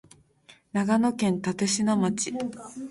長野県立科町